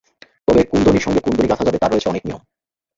তবে কোন ধ্বনির সঙ্গে কোন ধ্বনি গাঁথা যাবে, তার রয়েছে অনেক নিয়ম।